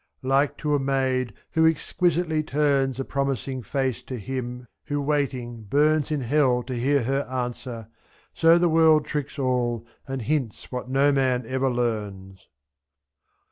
Like to a maid who exquisitely turns A promising face to him who, waiting, burns 77* In hell to hear her answer — so the world Tricks all, and hints what no man ever learns.